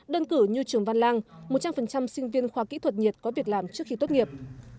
đơn cử như trường văn lang một trăm linh sinh viên khoa kỹ thuật nhiệt có việc làm trước khi tốt nghiệp